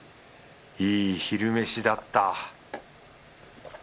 いい昼飯だった